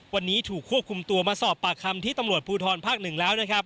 วันนี้ถูกควบคุมตัวมาสอบปากคำที่ตำรวจภูทรภักดิ์๑แล้ว